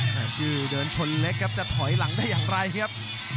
แต่ชื่อเดินชนเล็กครับจะถอยหลังได้อย่างไรครับ